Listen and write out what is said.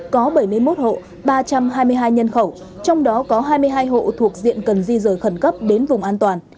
có bảy mươi một hộ ba trăm hai mươi hai nhân khẩu trong đó có hai mươi hai hộ thuộc diện cần di rời khẩn cấp đến vùng an toàn